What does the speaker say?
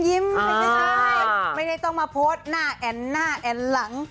ไม่ใช่ไม่ได้ต้องมาโพสต์หน้าแอ่นหน้าแอ่นหลัง